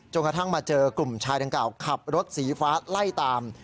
กระทั่งมาเจอกลุ่มชายดังกล่าวขับรถสีฟ้าไล่ตาม